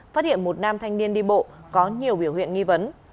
phát hiện một nam thanh niên đi bộ có nhiều biểu hiện nghi vấn